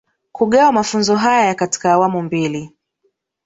Kugawa mafunzo haya katika awamu mbili